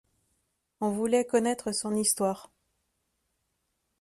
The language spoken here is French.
On voulait connaître son histoire.